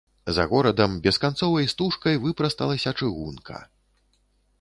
За горадам бесканцовай стужкай выпрасталася чыгунка.